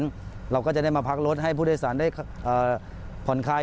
เราก็จะได้มาพักรถให้ผู้โดยสารได้ผ่อนคลาย